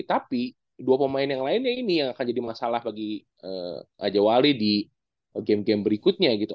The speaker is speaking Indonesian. tapi dua pemain yang lainnya ini yang akan jadi masalah bagi raja wali di game game berikutnya gitu